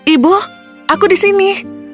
ibu aku di sini